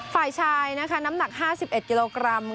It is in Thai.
ฝ่ายชายนะคะน้ำหนัก๕๑กิโลกรัม